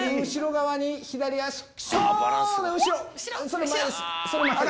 それ前です。